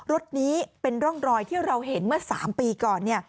รถนี้เป็นร่องรอยที่เราเห็นเมื่อ๓ปีก่อนเนี่ย